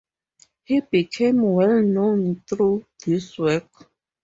He became well known through this work.